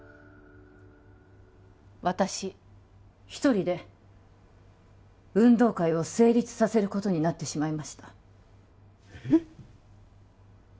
私一人で運動会を成立させることになってしまいましたええ！？